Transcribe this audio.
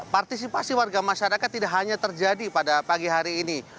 partisipasi warga masyarakat tidak hanya terjadi pada pagi hari ini